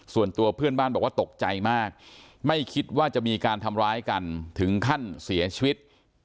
ส่วนตัวเพื่อนบ้านบอกว่าตกใจมากไม่คิดว่าจะมีการทำร้ายกันถึงขั้นเสียชีวิต